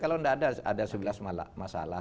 kalau tidak ada ada sebelah masalah